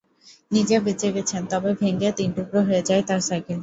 নিজে বেঁচে গেছেন, তবে ভেঙে তিন টুকরো হয়ে যায় তাঁর সাইকেলটি।